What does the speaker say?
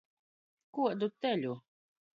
Kuodu teļu!